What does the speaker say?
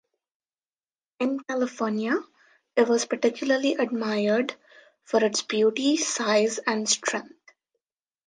In California, it was particularly admired for its beauty, size, and strength.